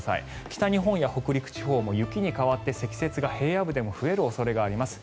北日本や北陸地方も雪に変わって積雪が平野部でも増える恐れがあります。